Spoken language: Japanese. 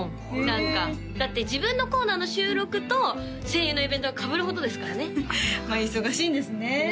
何かだって自分のコーナーの収録と声優のイベントがかぶるほどですからねお忙しいんですねねえ